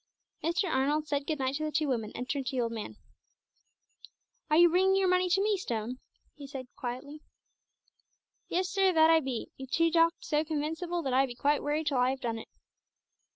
Mr. Arnold said good night to the two women, and turned to the old man. "Are you bringing your money to me, Stone?" he asked quietly. "Yes, sir, that I be 'ee do talk so convinceable that I be quite worried till I have done it."